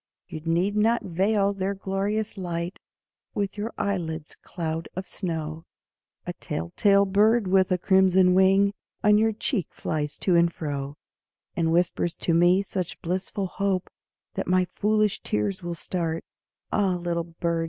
You need not veil their glorious light With your eyelids' cloud of snow, A tell tale bird with a crimson wing On your cheek flies to and fro; And whispers to me such blissful hope That my foolish tears will start, Ah, little bird!